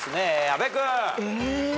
阿部君。え！